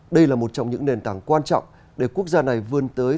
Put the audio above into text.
đây là một trong những nền tảng quan trọng để quốc gia này vươn tới